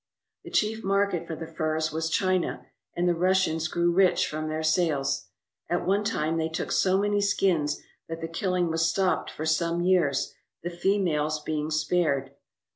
The chief market for the furs was China, and the Russians grew rich from their sales. At one time they took so many skins that the killing was stopped for some years, the females being spared.